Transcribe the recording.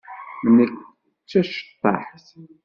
Nekk d taceṭṭaḥt.